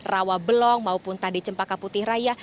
rawa belong maupun tadi cempaka putih raya